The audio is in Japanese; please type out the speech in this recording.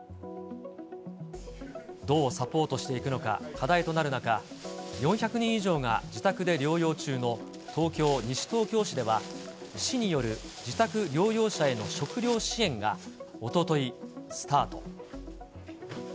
どうサポートしていくのか、課題となる中、４００人以上が自宅で療養中の東京・西東京市では、市による自宅療養者への食料支援がおとといスタート。